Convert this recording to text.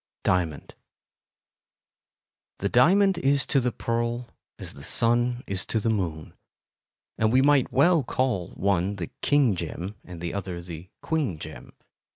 Diamond The diamond is to the pearl as the sun is to the moon, and we might well call one the "king gem" and the other the "queen gem."